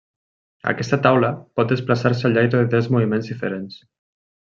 Aquesta taula pot desplaçar-se al llarg de tres moviments diferents: